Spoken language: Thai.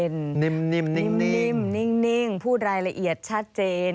นิ่มนิ่งพูดรายละเอียดชัดเจน